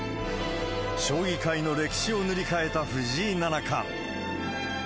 将棋界の歴史を塗り替えた藤井七冠。